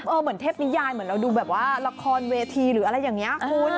เหมือนเทพนิยายเหมือนเราดูแบบว่าละครเวทีหรืออะไรอย่างนี้คุณ